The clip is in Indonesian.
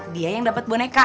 dia yang dapet boneka